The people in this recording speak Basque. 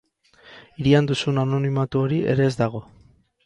Hirian duzun anonimatu hori ere ez dago.